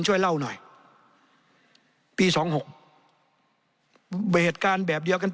ช่วยเล่าหน่อยปีสองหกเหตุการณ์แบบเดียวกัน